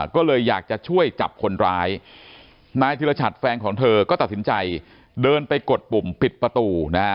ก็เลยอยากจะช่วยจับคนร้ายนายธิรชัดแฟนของเธอก็ตัดสินใจเดินไปกดปุ่มปิดประตูนะฮะ